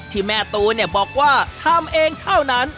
ที่แม่ตูนบอกว่าทำเองเท่านั้น